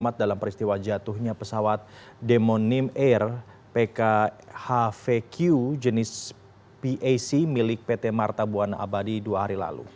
selamat dalam peristiwa jatuhnya pesawat demonim air pkhvq jenis pac milik pt marta buana abadi dua hari lalu